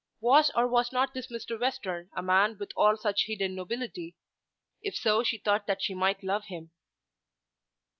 Was or was not this Mr. Western a man with all such hidden nobility? If so she thought that she might love him.